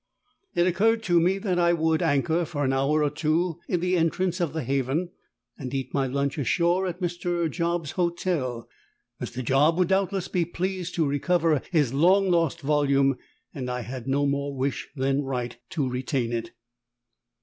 It occurred to me that I would anchor for an hour or two in the entrance of the haven, and eat my lunch ashore at Mr. Job's hotel. Mr. Job would doubtless be pleased to recover his long lost volume, and I had no more wish than right to retain it.